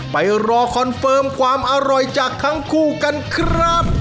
ไปรอคอนเฟิร์มความอร่อยจากทั้งคู่กันครับ